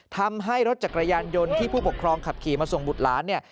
ทำให้รถจักรยานยนต์ที่ผู้ปกครองขับขี่มาส่งบุตรหลานเนี่ย